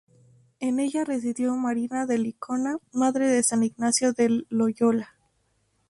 En ella residió Marina de Licona, madre de San Ignacio de Loyola.